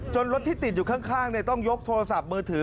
รถที่ติดอยู่ข้างต้องยกโทรศัพท์มือถือ